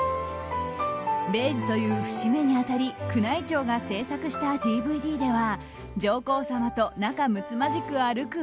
米寿という節目に当たり宮内庁が制作したＤＶＤでは上皇さまと仲むつまじく歩く